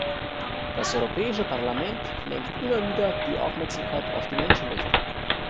Das Europäische Parlament lenkt immer wieder die Aufmerksamkeit auf die Menschenrechte.